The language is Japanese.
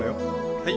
はい。